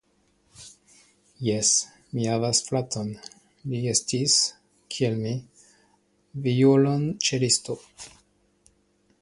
Jes, mi havas fraton, li estis, kiel mi, violonĉelisto.